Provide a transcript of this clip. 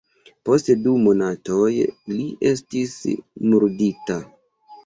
Post du monatoj li estis murdita.